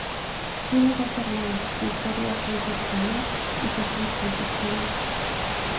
Tiene dos hermanos, Victoria Reyes Cano y Jesús Reyes Cano.